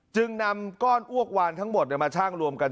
จึงนำก้อนอ้วกวานทั้งหมดมาช่างรวมกัน